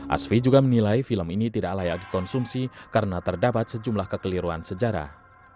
asfi juga menilai film ini tidak layak dikonsumsi karena terdapat sejumlah kekeliruan sejarah